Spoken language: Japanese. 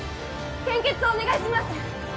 献血をお願いします